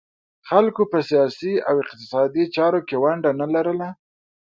خلکو په سیاسي او اقتصادي چارو کې ونډه نه لرله